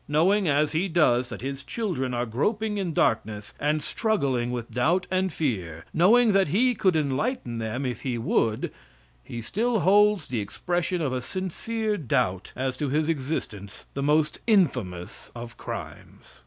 Knowing as He does that His children are groping in darkness and struggling with doubt and fear; knowing that He could enlighten them if He would, He still holds the expression of a sincere doubt as to His existence the most infamous of crimes.